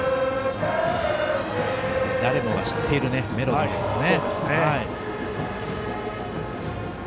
誰もが知っているメロディーですからね。